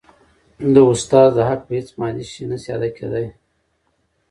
د استاد د حق په هيڅ مادي شي نسي ادا کيدای.